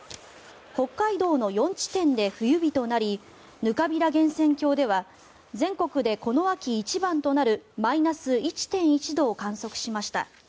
北海道の４地点で冬日となりぬかびら源泉郷では全国でこの秋一番となるマイナス１．１度を観測しました。